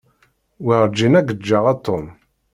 Werjin ad k-ǧǧeɣ a Tom.